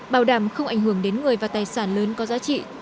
bảo đảm không ảnh hưởng đến người và tài sản lớn có giá trị